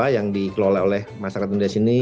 yang dikelola oleh masyarakat india sini